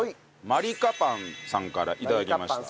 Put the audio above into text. まりかぱんさんから頂きました。